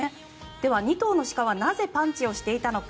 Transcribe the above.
では、２頭の鹿はなぜパンチをしていたのか。